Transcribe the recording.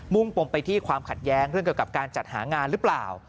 ่งปมไปที่ความขัดแย้งเรื่องเกี่ยวกับการจัดหางานหรือเปล่า